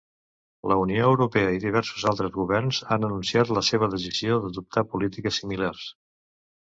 La Unió Europea i diversos altres governs han anunciat la seva decisió d'adoptar polítiques similars.